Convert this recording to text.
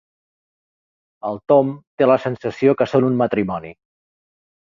El Tom té la sensació que són un matrimoni.